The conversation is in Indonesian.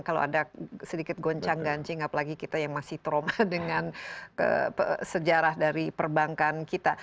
kalau ada sedikit goncang gancing apalagi kita yang masih trauma dengan sejarah dari perbankan kita